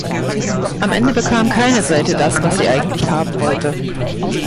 Am Ende bekam keine Seite das, was sie eigentlich haben wollte.